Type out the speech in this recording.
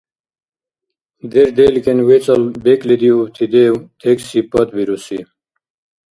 ДерделкӀен вецӀал бекӀлидиубти дев, текст сипатбируси